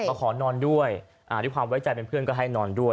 ขอนอนด้วยด้วยความไว้ใจเป็นเพื่อนก็ให้นอนด้วย